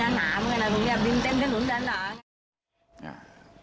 อ้าก็ต้องบินมึงก็บินหนามางั้นอะถึงว่าบินเจอ่งถนนหนา